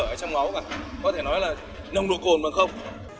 ở trong máu cả có thể nói là nồng độ cồn bằng không